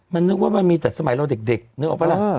มันนึกว่ามันมีแต่สมัยเราเด็กนึกออกปะล่ะ